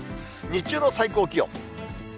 日中の最高気温。